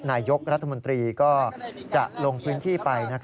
นายกรัฐมนตรีก็จะลงพื้นที่ไป